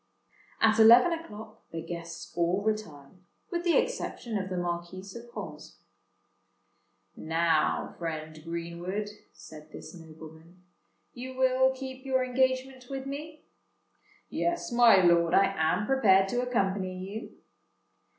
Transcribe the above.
At eleven o'clock the guests all retired, with the exception of the Marquis of Holmesford. "Now, friend Greenwood," said this nobleman, "you will keep your engagement with me?" "Yes, my lord: I am prepared to accompany you."